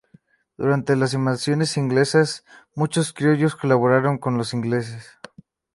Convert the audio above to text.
Durante las invasiones inglesas, muchos criollos colaboraron con los ingleses.